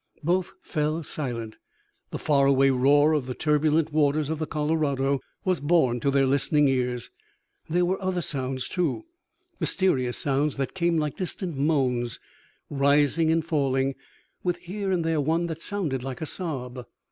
Both fell silent. The far away roar of the turbulent waters of the Colorado was borne to their listening ears. There were other sounds, too, mysterious sounds that came like distant moans, rising and falling, with here and there one that sounded like a sob.